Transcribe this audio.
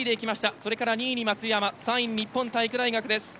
それから２位に松山３位に日本体育大学です。